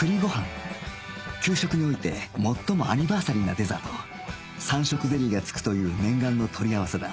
給食において最もアニバーサリーなデザート三色ゼリーが付くという念願の取り合わせだ